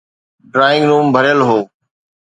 Drawing room ڀريل هو.